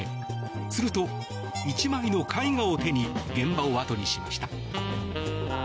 すると、１枚の絵画を手に現場を後にしました。